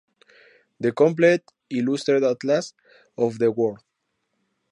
The Complete Illustrated Atlas of the World.